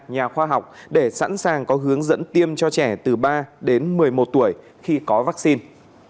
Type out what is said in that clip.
nhà khoa học để sẵn sàng có hướng dẫn tiêm cho trẻ từ ba đến một mươi một tuổi khi có vaccine